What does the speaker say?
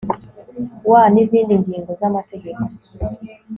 wa n izindi ngingo z amategeko